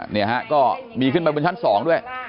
เนี่ยฮะก็มีขึ้นไปบนชั้น๒ด้วย